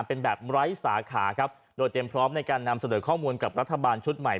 เป็นแบบไร้สาขาครับโดยเตรียมพร้อมในการนำเสนอข้อมูลกับรัฐบาลชุดใหม่